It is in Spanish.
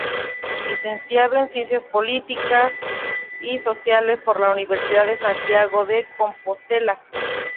Licenciado en Ciencias Políticas y Sociales por la Universidad de Santiago de Compostela.